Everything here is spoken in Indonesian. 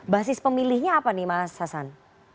basis pemilihnya apa nih mas hasan